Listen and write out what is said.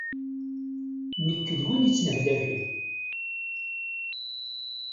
Nekk d win yettnehlaken.